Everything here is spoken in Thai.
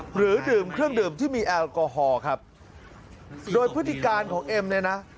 หรือดื่มเครื่องดื่มที่มีแอลกอฮอล์ครับโดยพฤติการของเอ็มเนี่ยนะ